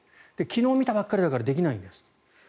昨日見たばかりだからできないんですと。